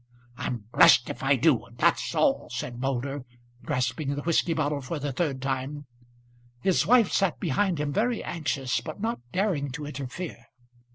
"I'm blessed if I do, and that's all," said Moulder, grasping the whisky bottle for the third time. His wife sat behind him very anxious, but not daring to interfere.